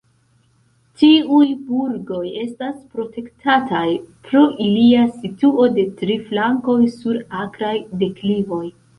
Tiuj burgoj estas protektataj pro ilia situo de tri flankoj sur akraj deklivoj.